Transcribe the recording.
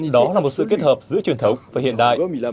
đó là một sự kết hợp giữa truyền thống và hiện đại